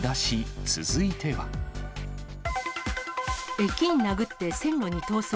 駅員殴って線路に逃走。